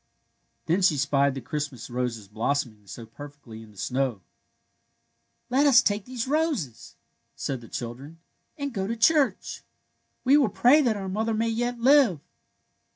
Then she spied the Christmas roses blossom ing so perfectly in the snow. *^ Let us take these roses," said the children, '^ and go to the church. We will pray that our mother may yet live."